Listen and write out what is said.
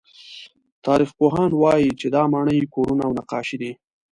تاریخپوهان وایي چې دا ماڼۍ، کورونه او نقاشۍ دي.